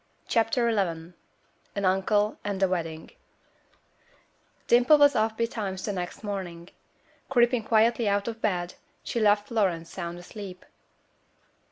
CHAPTER XI An Uncle and a Wedding Dimple was up betimes the next morning. Creeping quietly out of bed, she left Florence sound asleep.